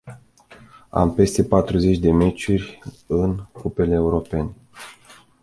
Am peste patruzeci de meciuri în cupele europene.